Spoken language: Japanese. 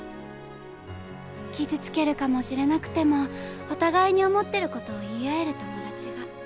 傷つけるかもしれなくてもお互いに思ってることを言い合える友達が。